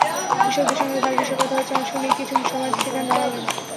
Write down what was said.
কৃষকদের সঙ্গে খাল বিষয়ে কথা হচ্ছে শুনেই কিছু সময় সেখানে দাঁড়ালেন।